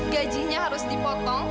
gajinya harus dipotong